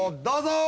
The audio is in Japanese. どうぞ。